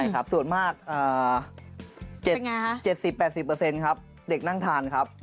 ครับส่วนมาก๗๐๘๐ครับเด็กนั่งทานครับ